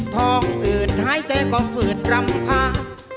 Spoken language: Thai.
ทองอืดหายเจ็บก็ผืนกรรมคา